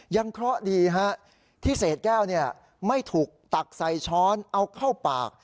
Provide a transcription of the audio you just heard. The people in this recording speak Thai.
เคราะห์ดีที่เศษแก้วไม่ถูกตักใส่ช้อนเอาเข้าปาก